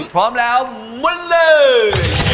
พร้อมแล้วมุนเลย